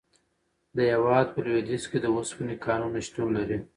د هیواد په لویدیځ کې د اوسپنې کانونه شتون لري.